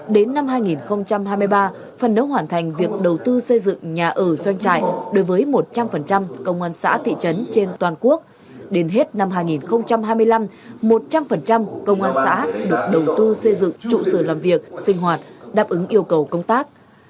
đến năm hai nghìn hai mươi ba phần đấu hoàn thành việc đầu tư xây dựng nhà ở doanh trại đối với một trăm linh công an xã thị trấn trên toàn quốc đến hết năm hai nghìn hai mươi năm một trăm linh công an xã được đầu tư xây dựng trụ sở làm việc sinh hoạt đáp ứng yêu cầu công tác